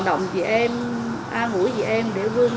động chị em an ủi chị em để vươn lên